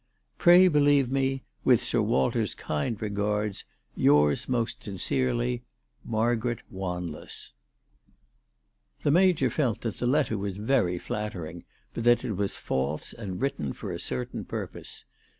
"Pray believe me, with Sir Walter's kind regards, yours most sincerely, "MARGARET WANLESS." ALICE DUGDALE. 367 The Major felt that the letter was very flattering, but that it was false and written for a certain purpose.